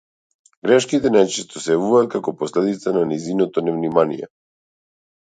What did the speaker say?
Грешките најчесто се јавуваа како последица на нејзиното невнимание.